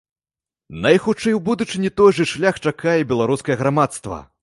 Найхутчэй у будучыні той жа шлях чакае і беларускае грамадства.